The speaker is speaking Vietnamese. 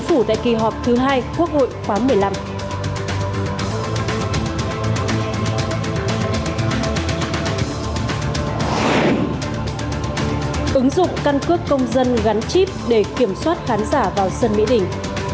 ứng dụng căn cước công dân gắn chip để kiểm soát khán giả vào sân mỹ đình